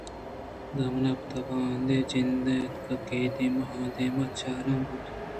دمانے ءَ پد واہُند ءِ جند اتک ءُ اے دیم ءُ آ دیما چاران بُوت